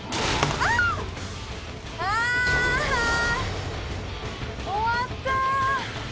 あっ終わった！